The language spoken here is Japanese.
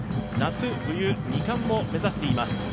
夏・冬、二冠を目指しています。